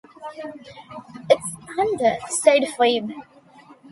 "It's thunder," said Phebe.